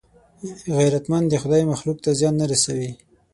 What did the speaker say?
غیرتمند د خدای مخلوق ته زیان نه رسوي